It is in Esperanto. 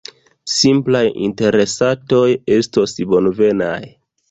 Simplaj interesatoj estos bonvenaj.